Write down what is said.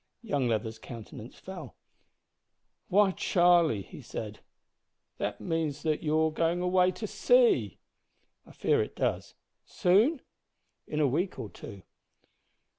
Young Leather's countenance fell. "Why, Charlie," he said, "that means that you're going away to sea!" "I fear it does." "Soon?" "In a week or two."